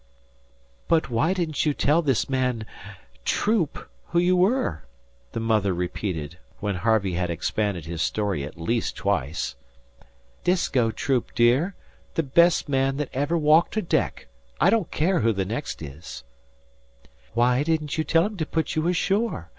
"But why didn't you tell this man, Troop, who you were?" the mother repeated, when Harvey had expanded his story at least twice. "Disko Troop, dear. The best man that ever walked a deck. I don't care who the next is." "Why didn't you tell him to put you ashore?